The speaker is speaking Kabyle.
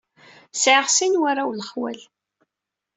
Sɛiɣ sin n warraw n lexwal.